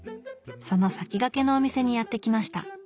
その先駆けのお店にやって来ました。